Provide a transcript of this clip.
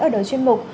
ở đầu chuyên mục